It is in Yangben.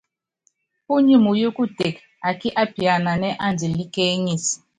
Púnyi muyú kuteke akí apiananɛ́ andilɛ́ kéeŋísi.